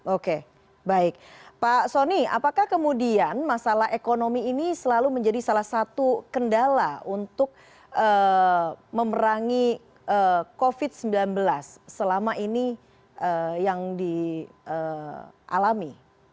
oke baik pak soni apakah kemudian masalah ekonomi ini selalu menjadi salah satu kendala untuk memerangi covid sembilan belas selama ini yang dialami